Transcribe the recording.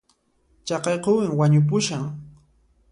Chaqay quwin wañupushan